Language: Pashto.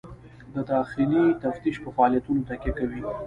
دا د داخلي تفتیش په فعالیتونو تکیه کوي.